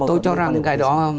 tôi cho rằng cái đó